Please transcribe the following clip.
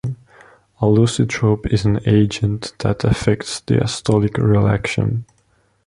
A lusitrope is an agent that affects diastolic relaxation.